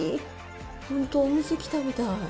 本当、お店に来たみたい。